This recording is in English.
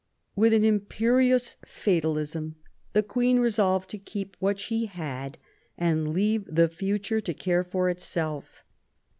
With an im perious fatalism the Queen resolved to keep what she had and leave the future to care for itself.